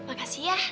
eira makasih ya